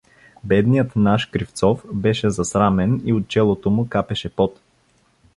Бедният наш Кривцов беше засрамен и от челото му капеше пот.